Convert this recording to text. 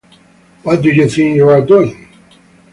What do you think you're doing?